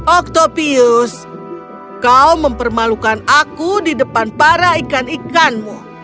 octopius kau mempermalukan aku di depan para ikan ikanmu